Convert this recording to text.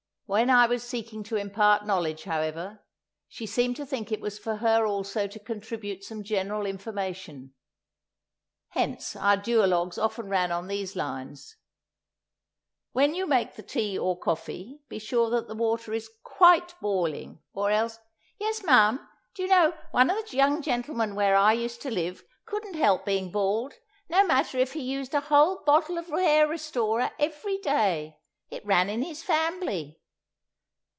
When I was seeking to impart knowledge, however, she seemed to think it was for her also to contribute some general information. Hence our duologues often ran on these lines:— "When you make the tea or coffee, be sure that the water is quite boiling; or else——" "Yes, ma'am. Do you know, one of the young gentlemen where I used to live, couldn't help being bald, no matter if he used a whole bottle of hair restorer every day. It ran in his fambly."